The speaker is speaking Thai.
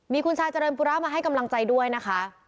มีคุณชายเจริญปุระมาให้กำลังใจด้วยนะคะ